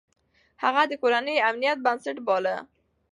هغه د کورنۍ امنيت بنسټ باله.